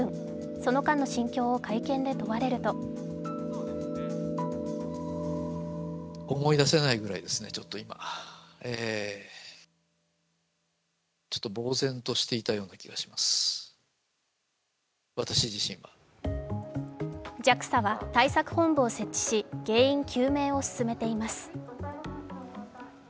その間の心境を会見で問われるとＪＡＸＡは対策本部を設置し、原因究明を進めています。